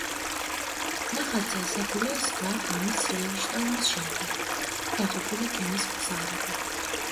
ნახატზე ასახულია ზღვა ღამის ძლიერი შტორმის შემდეგ და დაღუპული გემის მგზავრები.